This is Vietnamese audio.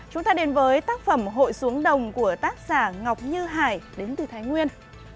chúng ta đến với tác phẩm hội xuống đồng của tác giả ngọc như hải đến từ thái nguyên